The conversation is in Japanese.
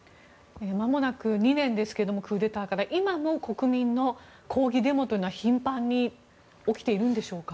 まもなく２年ですがクーデターから今の国民の抗議デモというのは頻繁に起きているんでしょうか。